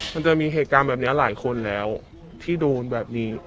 มันจะมีเหตุการณ์แบบนี้หลายคนแล้วที่โดนแบบนี้